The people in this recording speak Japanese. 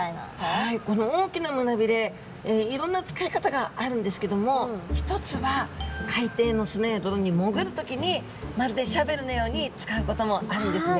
はいこの大きな胸鰭いろんな使い方があるんですけども一つは海底の砂や泥に潜る時にまるでシャベルのように使うこともあるんですね。